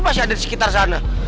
masih ada di sekitar sana